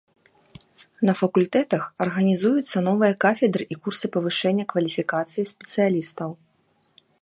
На факультэтах арганізуюцца новыя кафедры і курсы павышэння кваліфікацыі спецыялістаў.